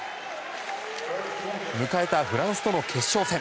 迎えたフランスとの決勝戦。